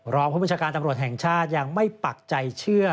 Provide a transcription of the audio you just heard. รองผู้บัญชาการตำรวจแห่งชาติยังไม่ปักใจเชื่อ